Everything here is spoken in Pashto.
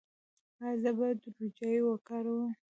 ایا زه باید روجايي وکاروم؟